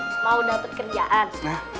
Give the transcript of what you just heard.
mau dapet kerjaan